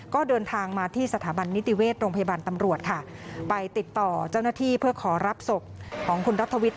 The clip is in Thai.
ก็เดินทางมาที่สถาบันนิติเวชโรงพยาบาลตำรวจค่ะไปติดต่อเจ้าหน้าที่เพื่อขอรับศพของคุณรัฐวิทย